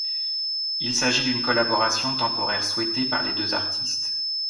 Il s'agit d'une collaboration temporaire souhaitée par les deux artistes.